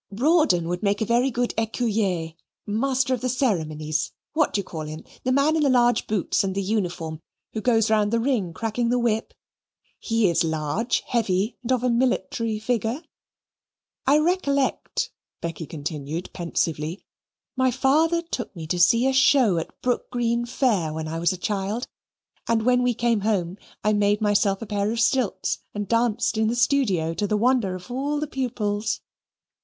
"Rawdon would make a very good Ecuyer Master of the Ceremonies what do you call him the man in the large boots and the uniform, who goes round the ring cracking the whip? He is large, heavy, and of a military figure. I recollect," Becky continued pensively, "my father took me to see a show at Brookgreen Fair when I was a child, and when we came home, I made myself a pair of stilts and danced in the studio to the wonder of all the pupils."